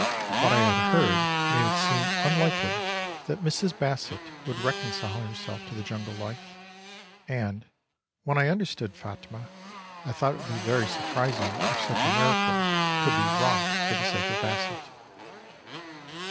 What I had heard made it seem unlikely that Mrs. Basset would reconcile herself to jungle life, and, when I understood Phatmah, I thought it would be very surprising if such a miracle could be wrought for the sake of Basset.